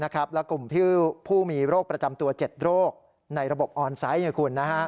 และกลุ่มผู้มีโรคประจำตัว๗โรคในระบบออนไซต์